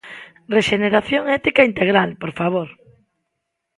Rexeneración ética integral, por favor!